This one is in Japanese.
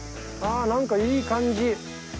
なんかいい感じ。